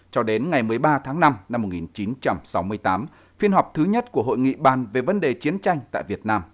cho đến ngày một mươi ba tháng năm năm một nghìn chín trăm sáu mươi tám phiên họp thứ nhất của hội nghị bàn về vấn đề chiến tranh tại việt nam